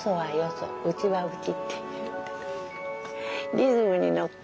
リズムにのって。